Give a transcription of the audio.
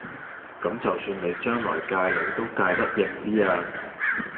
咁就算你將來界女都界得應啲呀